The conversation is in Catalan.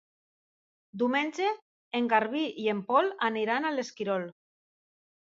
Diumenge en Garbí i en Pol aniran a l'Esquirol.